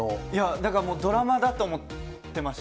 だからもうドラマだと思ってました。